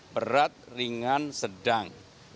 berat ringan sedang